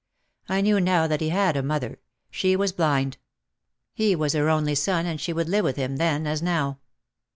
I knew now that he had a mother ; she was blind. He was her only son and she would live with him then as now.